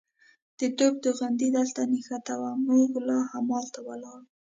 د توپ توغندی دلته نښتې وه، موږ لا همالته ولاړ وو.